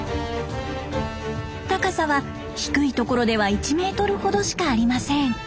高さは低いところでは１メートルほどしかありません。